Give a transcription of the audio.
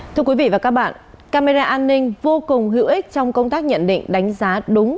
thưa quý vị và các bạn camera an ninh vô cùng hữu ích trong công tác nhận định đánh giá đúng